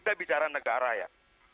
kita bicara negara ya